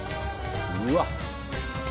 うわっ！